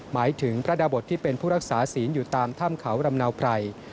หมายถึงพระดาบทที่เป็นผู้รักษาศีลอยู่ตามถ้ำเขารำเนาไพร